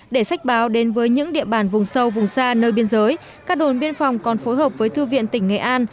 để sách báo đến với những địa bàn vùng sâu vùng xa nơi biên giới các đồn biên phòng còn phối hợp với thư viện tỉnh nghệ an